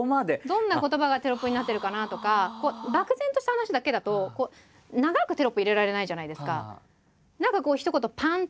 どんな言葉がテロップになってるかなとか漠然とした話だけだとこう長くテロップ入れられないじゃないですか。